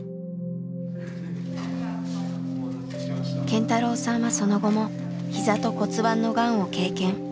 健太朗さんはその後もひざと骨盤のがんを経験。